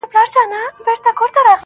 او په سترگو کې بلا اوښکي را ډنډ سوې~